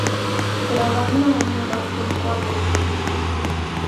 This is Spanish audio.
Todos los oficiales conservadores fueron fusilados.